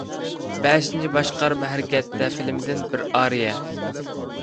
«بەشىنچى باشقارما ھەرىكەتتە» فىلىمىدىن بىر ئارىيە.